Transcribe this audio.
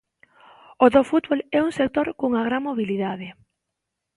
O do fútbol é un sector cunha gran mobilidade.